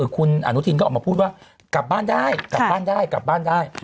คุณอนุทินก็ออกมาพูดว่ากลับบ้านได้กลับบ้านได้กลับบ้านได้